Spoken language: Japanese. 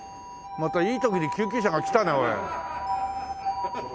またいい時に救急車が来たねおい。